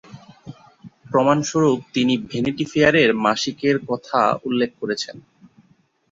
প্রমাণস্বরূপ তিনি Vanity Fair মাসিকের কথা উল্লেখ করেছেন।